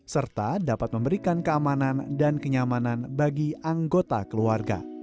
serta dapat memberikan keamanan dan kenyamanan bagi anggota keluarga